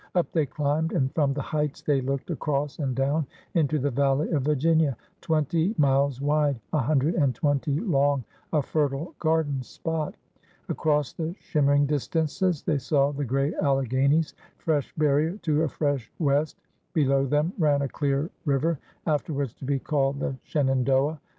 Up they climbed and from the heights they looked across and down into the Valley of Virginia, twenty miles wide, a himdred and twenty long — a fer tile garden spot. Across the shimmering distances they saw the gray Alleghanies, fresh barrier to a fresh west. Below them ran a clear river, after wards to be called the Shenandoah.